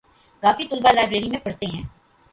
کافی طلبہ لائبریری میں پڑھتے ہیں